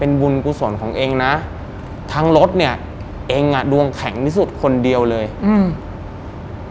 บุญกุศลของเองนะทั้งรถเนี้ยเองอ่ะดวงแข็งที่สุดคนเดียวเลยอืม